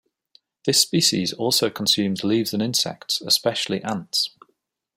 This species also consumes leaves and insects, especially ants.